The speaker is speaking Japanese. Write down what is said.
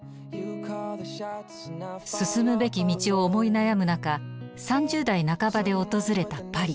進むべき道を思い悩む中３０代半ばで訪れたパリ。